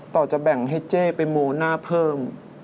ต่อจะแบ่งให้เจ๊ไปโมหน้าเพิ่ม